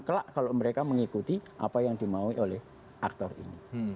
kelak kalau mereka mengikuti apa yang dimaui oleh aktor ini